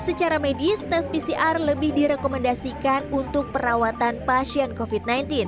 secara medis tes pcr lebih direkomendasikan untuk perawatan pasien covid sembilan belas